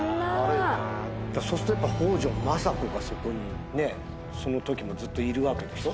そうするとやっぱ北条政子がそこにねその時もずっといるわけでしょ？